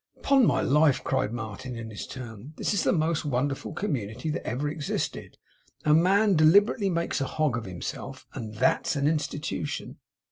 'Upon my life!' cried Martin, in his turn. 'This is the most wonderful community that ever existed. A man deliberately makes a hog of himself, and THAT'S an Institution!